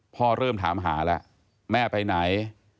พ่อเริ่มถามหาละแม่ไปไหน